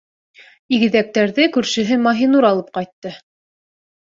Игеҙәктәрҙе күршеһе Маһинур алып ҡайтты.